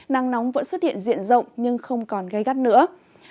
năng nóng vẫn xuất hiện diện rộng nhưng không còn gây gắt nước